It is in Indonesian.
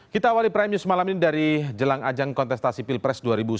kita awali prime news malam ini dari jelang ajang kontestasi pilpres dua ribu sembilan belas